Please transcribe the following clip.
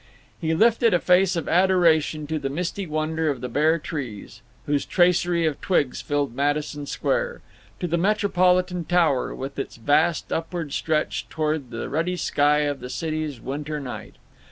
He lifted a face of adoration to the misty wonder of the bare trees, whose tracery of twigs filled Madison Square; to the Metropolitan Tower, with its vast upward stretch toward the ruddy sky of the city's winter night.